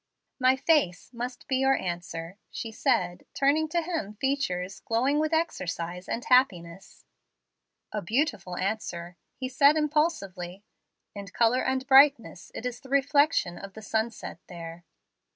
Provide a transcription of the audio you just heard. "My face must be your answer," she said, turning to him features glowing with exercise and happiness. "A beautiful answer," he said impulsively. "In color and brightness it is the reflection of the sunset there."